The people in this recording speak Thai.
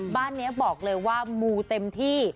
บ้านนี้บอกเลยว่ามูเต็มที่